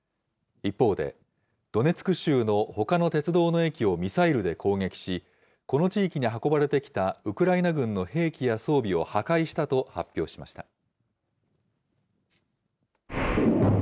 一方で、ドネツク州のほかの鉄道の駅をミサイルで攻撃し、この地域に運ばれてきたウクライナ軍の兵器や装備を破壊したと発表しました。